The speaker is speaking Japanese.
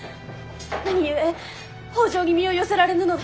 何故北条に身を寄せられぬので。